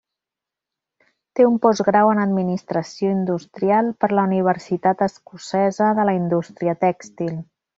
Té un postgrau en administració industrial per la Universitat Escocesa de la Indústria Tèxtil.